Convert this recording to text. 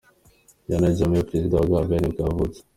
Yahya Jammeh, perezida wa Gambia nibwo yavutse.